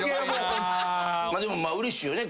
でもうれしいよね